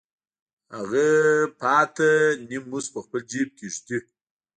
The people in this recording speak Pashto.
هغه پاتې نیم مزد په خپل جېب کې ږدي